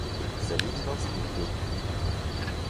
Se vidiva v službi.